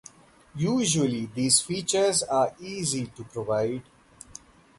Usually these features are easy to provide.